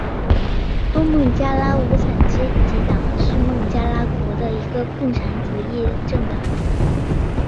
东孟加拉无产阶级党是孟加拉国的一个共产主义政党。